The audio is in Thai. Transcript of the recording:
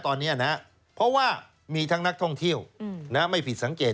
ตอนนี้นะเพราะว่ามีทั้งนักท่องเที่ยวไม่ผิดสังเกต